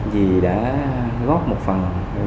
vì đã góp một phần